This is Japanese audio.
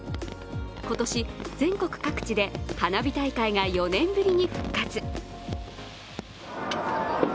今年、全国各地で花火大会が４年ぶりに復活。